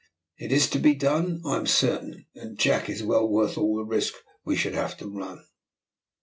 It is to be done, I am certain, and Jack is well worth all the risk we should have to run."